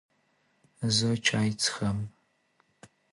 زه چای څښم.